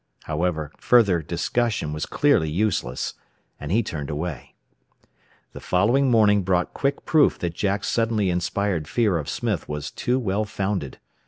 However, further discussion was clearly useless, and he turned away. The following morning brought quick proof that Jack's suddenly inspired fear of Smith was too well founded.